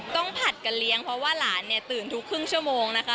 ผัดกันเลี้ยงเพราะว่าหลานเนี่ยตื่นทุกครึ่งชั่วโมงนะคะ